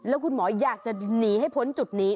แล้วคุณหมออยากจะหนีให้พ้นจุดนี้